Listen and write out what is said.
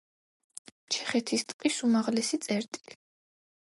ჩეხეთის ტყის უმაღლესი წერტილი.